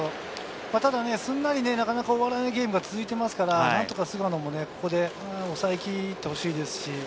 ただすんなり、なかなか終わらないゲームが続いていますから菅野もここで抑えきってほしいです。